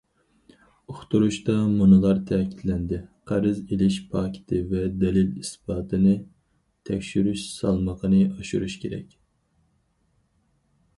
« ئۇقتۇرۇش» تا مۇنۇلار تەكىتلەندى: قەرز ئېلىش پاكىتى ۋە دەلىل- ئىسپاتنى تەكشۈرۈش سالمىقىنى ئاشۇرۇش كېرەك.